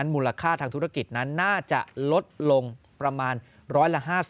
มูลค่าทางธุรกิจนั้นน่าจะลดลงประมาณ๑๕๐